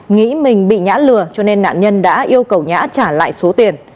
nghĩ mình bị ngã lừa cho nên nạn nhân đã yêu cầu nhã trả lại số tiền